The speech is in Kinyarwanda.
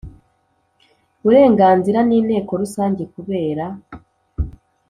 burenganzira n Inteko Rusange kubera